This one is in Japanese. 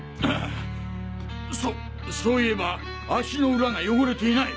そそういえば足の裏が汚れていない。